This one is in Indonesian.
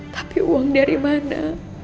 tapi uang dari mana